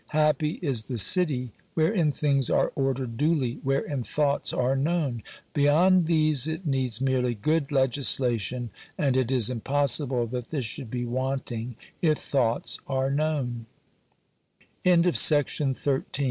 Happy is the city wherein things are ordered duly, wherein thoughts are known ! Beyond these it needs merely good legislation, and it is impossible that this should be wanting if thoughts are kn